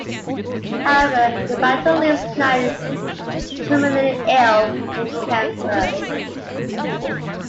However, the battle leaves Knight terminally ill with cancer.